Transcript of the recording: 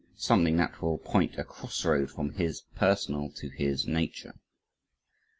Something that will point a crossroad from "his personal" to "his nature."